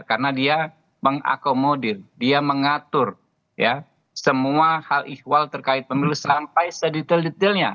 karena dia mengakomodir dia mengatur semua hal ikhwal terkait pemilu sampai sedetail detailnya